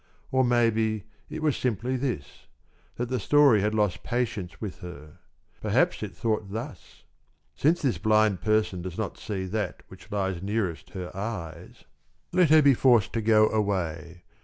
Or maybe it was simply this that the story had lost patience with her. Perhaps it thought thus: "Since this blind person does not see that which lies nearest her eyes, let her be forced to go away.